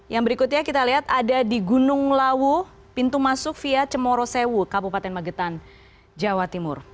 yang berikutnya kita lihat ada di gunung lawu pintu masuk via cemorosewu kabupaten magetan jawa timur